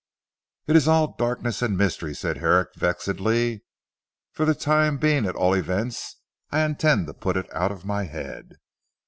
It is all darkness and mystery," said Herrick vexedly. "For the time being at all events I intend to put it out of my head."